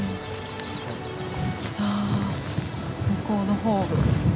向こうの方。